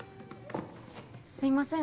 すいません